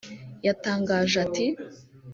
yatangaje ati